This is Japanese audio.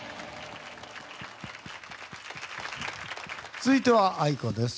続いてはａｉｋｏです。